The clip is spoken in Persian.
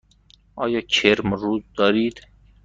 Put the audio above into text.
آیا کرم روز دارید؟